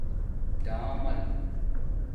ڈآمل